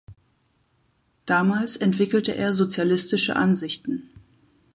Damals entwickelte er sozialistische Ansichten.